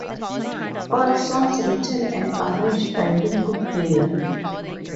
All songs written and arranged by Little Barrie.